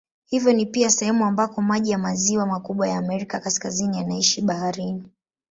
Hivyo ni pia sehemu ambako maji ya maziwa makubwa ya Amerika Kaskazini yanaishia baharini.